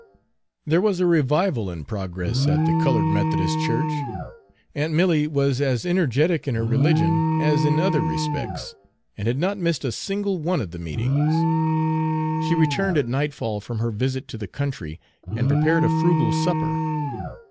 There was a revival in progress at the colored Methodist church. Aunt Milly was as energetic in her religion as in other respects, and had not missed a single one of the meetings. She returned at nightfall from her visit to the country and prepared a frugal supper.